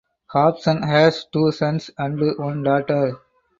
Hobson has two sons and one daughter.